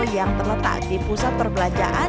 yang terletak di pusat perbelanjaan